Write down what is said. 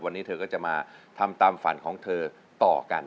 วันนี้เธอก็จะมาทำตามฝันของเธอต่อกัน